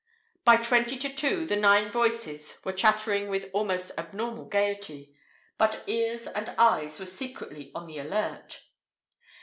By twenty to two the nine voices were chattering with almost abnormal gaiety, but ears and eyes were secretly on the alert.